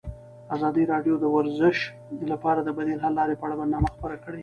ازادي راډیو د ورزش لپاره د بدیل حل لارې په اړه برنامه خپاره کړې.